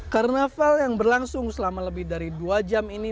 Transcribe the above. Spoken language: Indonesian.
karnaval yang berlangsung selama lebih dari dua jam ini